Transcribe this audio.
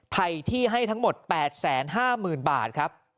ไทยที่ให้ทั้งหมด๘๕๐๐๐บาทครับ